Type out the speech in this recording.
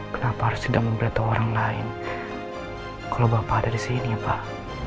kenapa harus sudah memberitahu orang lain kalau bapak ada di sini pak